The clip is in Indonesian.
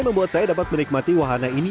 membuat saya dapat menikmati wahana ini